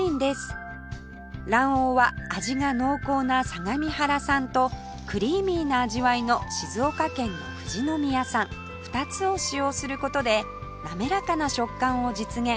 卵黄は味が濃厚な相模原産とクリーミーな味わいの静岡県の富士宮産２つを使用する事でなめらかな食感を実現